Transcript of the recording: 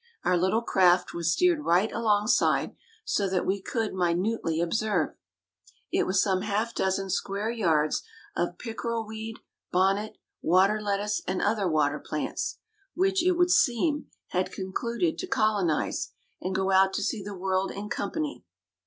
Our little craft was steered right alongside, so that we could minutely observe. It was some half dozen square yards of pickerel weed, bonnet, water lettuce, and other water plants, which, it would seem, had concluded to colonize, and go out to see the world in company.